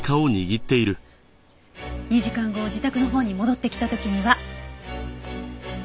２時間後自宅のほうに戻ってきた時には。